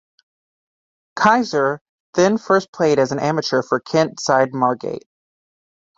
Keizer then first played as an amateur for Kent side Margate.